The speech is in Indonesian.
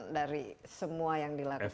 dari semua yang dilakukan